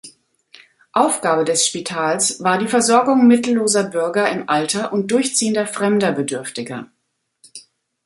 Aufgabe des Spitals war die Versorgung mittelloser Bürger im Alter und durchziehender fremder Bedürftiger.